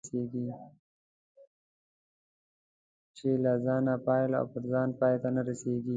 چې له ځانه پیل او پر ځان پای ته نه رسېږي.